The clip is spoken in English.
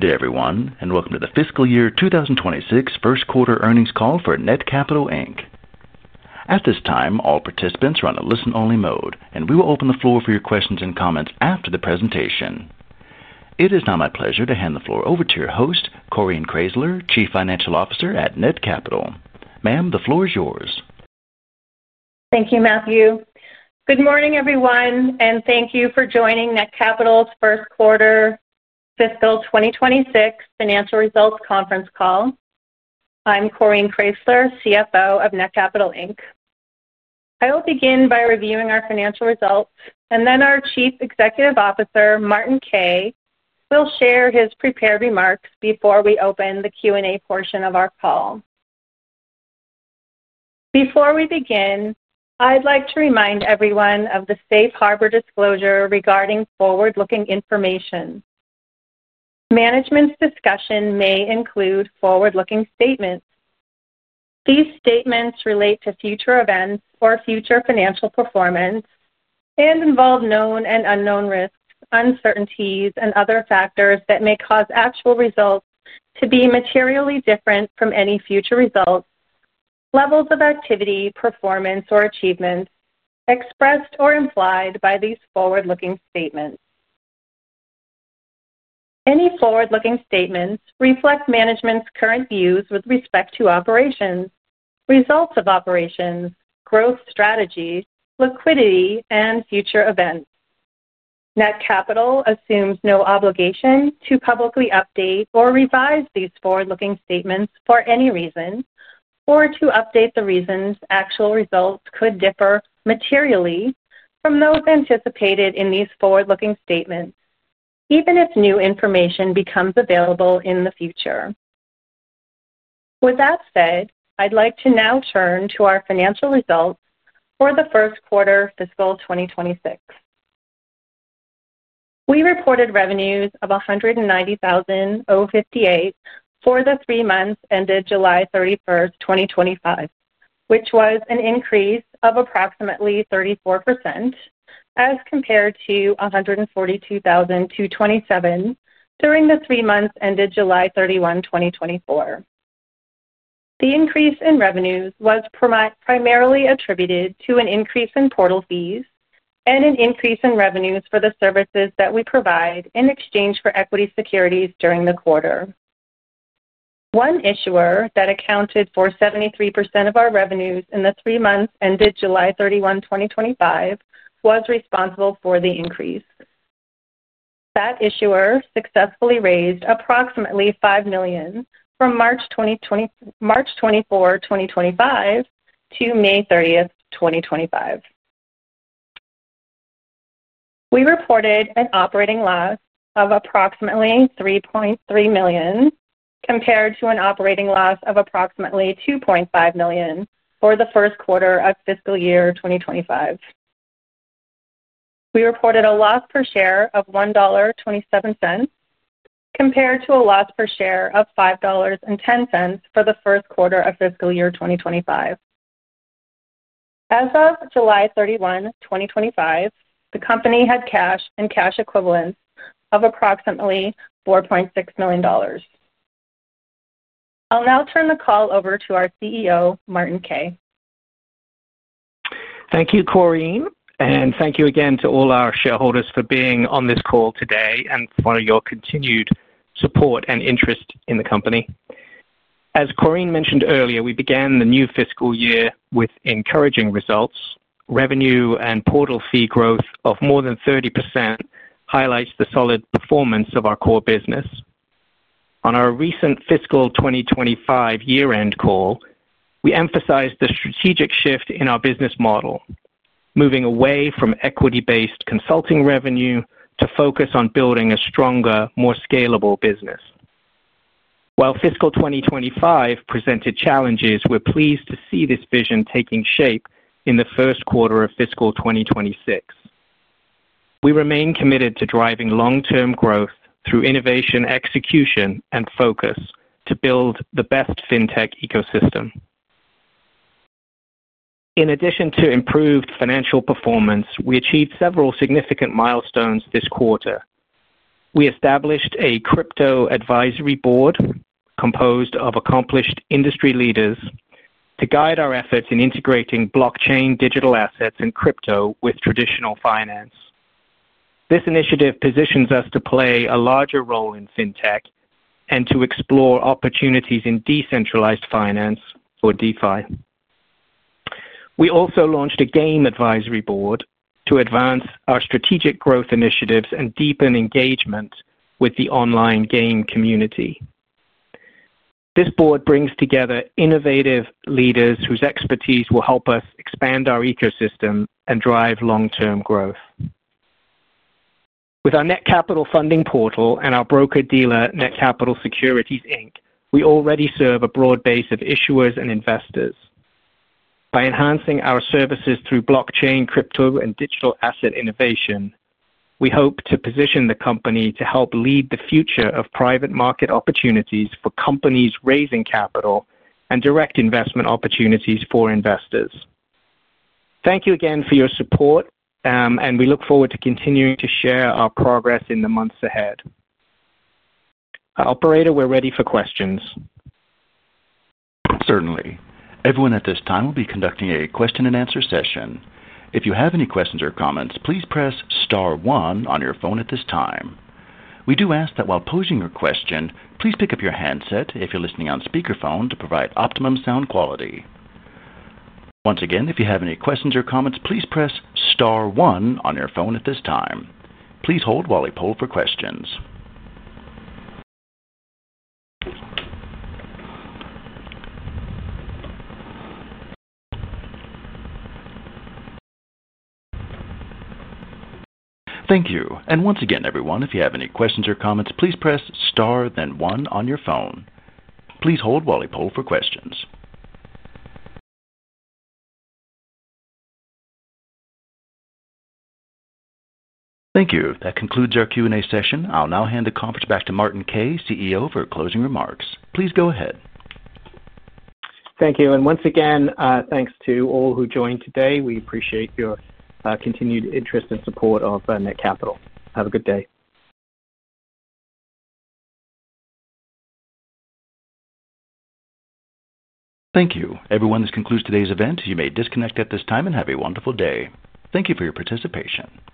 Good day, everyone, and welcome to the fiscal year 2026 first quarter earnings call for Netcapital Inc. At this time, all participants are on a listen-only mode, and we will open the floor for your questions and comments after the presentation. It is now my pleasure to hand the floor over to your host, Corinne Kraysler, Chief Financial Officer at Netcapital. Ma'am, the floor is yours. Thank you, Matthew. Good morning, everyone, and thank you for joining Netcapital's first quarter fiscal 2026 financial results conference call. I'm Corinne Kraysler, CFO of Netcapital Inc. I will begin by reviewing our financial results, and then our Chief Executive Officer, Martin Kay, will share his prepared remarks before we open the Q&A portion of our call. Before we begin, I'd like to remind everyone of the safe harbor disclosure regarding forward-looking information. Management's discussion may include forward-looking statements. These statements relate to future events or future financial performance and involve known and unknown risks, uncertainties, and other factors that may cause actual results to be materially different from any future results, levels of activity, performance, or achievement expressed or implied by these forward-looking statements. Any forward-looking statements reflect management's current views with respect to operations, results of operations, growth strategies, liquidity, and future events. Netcapital assumes no obligation to publicly update or revise these forward-looking statements for any reason, or to update the reasons actual results could differ materially from those anticipated in these forward-looking statements, even if new information becomes available in the future. With that said, I'd like to now turn to our financial results for the first quarter fiscal 2026. We reported revenues of $190,058 for the three months ended July 31, 2025, which was an increase of approximately 34% as compared to $142,227 during the three months ended July 31, 2024. The increase in revenues was primarily attributed to an increase in portal fees and an increase in revenues for the services that we provide in exchange for equity securities during the quarter. One issuer that accounted for 73% of our revenues in the three months ended July 31, 2025, was responsible for the increase. That issuer successfully raised approximately $5 million from March 24, 2025, to May 30, 2025. We reported an operating loss of approximately $3.3 million compared to an operating loss of approximately $2.5 million for the first quarter of fiscal year 2025. We reported a loss per share of $1.27 compared to a loss per share of $5.10 for the first quarter of fiscal year 2025. As of July 31, 2025, the company had cash and cash equivalents of approximately $4.6 million. I'll now turn the call over to our CEO, Martin Kay. Thank you, Corinne, and thank you again to all our shareholders for being on this call today and for your continued support and interest in the company. As Corinne mentioned earlier, we began the new fiscal year with encouraging results. Revenue and portal fee growth of more than 30% highlights the solid performance of our core business. On our recent fiscal 2025 year-end call, we emphasized the strategic shift in our business model, moving away from equity-based consulting revenue to focus on building a stronger, more scalable business. While fiscal 2025 presented challenges, we're pleased to see this vision taking shape in the first quarter of fiscal 2026. We remain committed to driving long-term growth through innovation, execution, and focus to build the best fintech ecosystem. In addition to improved financial performance, we achieved several significant milestones this quarter. We established a crypto advisory board composed of accomplished industry leaders to guide our efforts in integrating blockchain, digital assets, and crypto with traditional finance. This initiative positions us to play a larger role in fintech and to explore opportunities in decentralized finance, or DeFi. We also launched a game advisory board to advance our strategic growth initiatives and deepen engagement with the online game community. This board brings together innovative leaders whose expertise will help us expand our ecosystem and drive long-term growth. With our Netcapital Funding Portal and our broker-dealer Netcapital Securities Inc., we already serve a broad base of issuers and investors. By enhancing our services through blockchain, crypto, and digital asset innovation, we hope to position the company to help lead the future of private market opportunities for companies raising capital and direct investment opportunities for investors. Thank you again for your support, and we look forward to continuing to share our progress in the months ahead. Operator, we're ready for questions. Certainly. Everyone at this time will be conducting a question-and-answer session. If you have any questions or comments, please press star one on your phone at this time. We do ask that while posing your question, please pick up your handset if you're listening on speakerphone to provide optimum sound quality. Once again, if you have any questions or comments, please press star one on your phone at this time. Please hold while we poll for questions. Thank you. Once again, everyone, if you have any questions or comments, please press star then one on your phone. Please hold while we poll for questions. Thank you. That concludes our Q&A session. I'll now hand the conference back to Martin Kay, CEO, for closing remarks. Please go ahead. Thank you. Once again, thanks to all who joined today. We appreciate your continued interest and support of Netcapital. Have a good day. Thank you. Everyone, this concludes today's event. You may disconnect at this time and have a wonderful day. Thank you for your participation.